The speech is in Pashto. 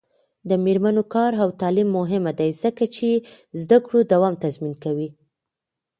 د میرمنو کار او تعلیم مهم دی ځکه چې زدکړو دوام تضمین کوي.